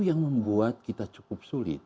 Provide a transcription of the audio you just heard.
yang membuat kita cukup sulit